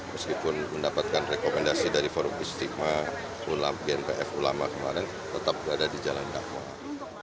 meskipun mendapatkan rekomendasi dari korupisimah ulama kemarin tetap berada di jalan dakwah